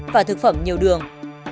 và thực phẩm nhiều đường